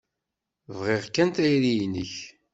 Bɣiɣ kan tayri-nnek.